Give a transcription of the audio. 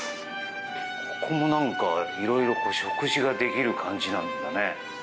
ここもいろいろ食事ができる感じなんだね。